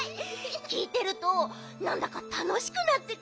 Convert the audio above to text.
きいてるとなんだかたのしくなってくるね。